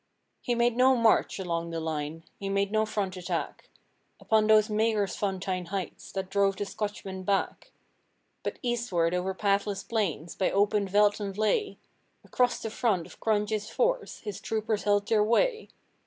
He made no march along the line; he made no front attack Upon those Magersfontein heights that drove the Scotchmen back; But eastward over pathless plains by open veldt and vley, Across the front of Cronje's force his troopers held their way.